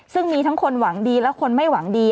ซึ่งมีทั้งคนหวังดีและคนไม่หวังดี